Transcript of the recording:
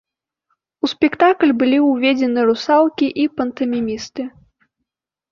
У спектакль былі ўведзены русалкі і пантамімісты.